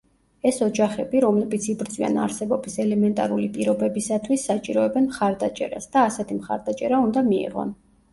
ეს ოჯახები, რომლებიც იბრძვიან არსებობის ელემენტარული პირობებისათვის, საჭიროებენ მხარდაჭერას და ასეთი მხარდაჭერა უნდა მიიღონ.